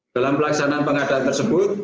dalam pelaksanaan pengadaan tersebut